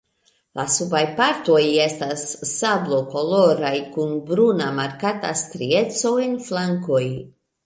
La subaj partoj estas sablokoloraj kun bruna markata strieco en flankoj.